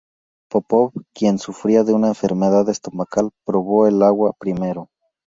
Popov, quien sufría de una enfermedad estomacal, probó el agua primero.